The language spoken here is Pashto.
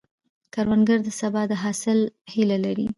کروندګر د سبا د حاصل هیله لري